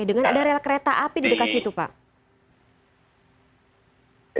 dengan ada rel kereta api di dekat situ pak